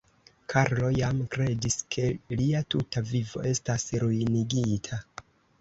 Karlo jam kredis, ke lia tuta vivo estas ruinigita.